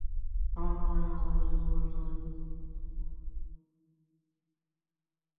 আমার মনে হয় আমারা দুজনের মধ্যে অনেককিছু মিল রয়েছে।